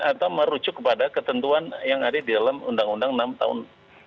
atau merucuk kepada ketentuan yang ada di dalam undang undang nomor enam tahun dua ribu delapan belas